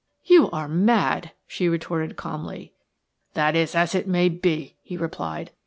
"You are mad!" she retorted calmly. "That is as it may be," he replied.